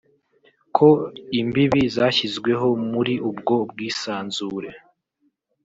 ko imbibi zashyizweho muri ubwo bwisanzure